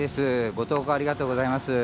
ご投稿ありがとうございます。